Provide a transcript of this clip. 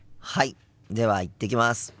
はいでは行ってきます。